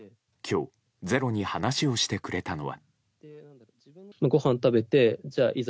今日、「ｚｅｒｏ」に話をしてくれたのは。